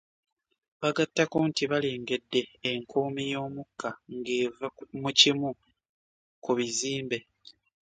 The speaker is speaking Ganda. Bagattako nti balengedde enkoomi y'omukka ng'eva mu kimu ku bizimbe